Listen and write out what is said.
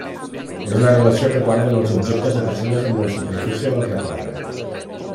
És la relació que guarden els objectes o persones amb la superfície del requadre.